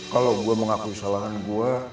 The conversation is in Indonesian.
kalau gue mengakui kesalahan gue